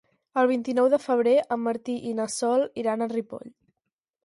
El vint-i-nou de febrer en Martí i na Sol iran a Ripoll.